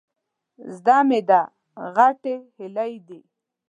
زده مې ده، غټې هيلۍ دي.